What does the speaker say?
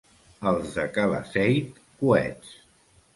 Els de Calaceit, coets.